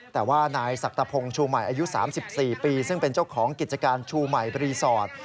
แต่ว่านายศักพงศ์ชูใหม่อายุ๓๔ปีซึ่งเป็นเจ้าของกิจการชูใหม่รีสอร์ท